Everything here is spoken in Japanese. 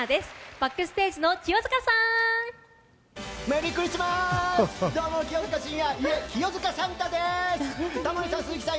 バックステージの清塚さん！